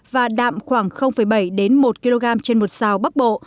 và đạm khoảng bảy đến một kg trên một xào bắc bộ